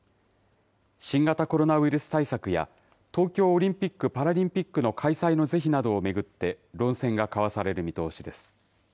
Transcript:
新型コロナウイルス対策や、東京オリンピック・パラリンピックの開催の是非などを巡って、論戦が交わされる見通しです。